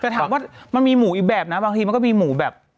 แต่ถามว่ามันมีหมูอีกแบบนะบางทีมันก็มีหมูแบบ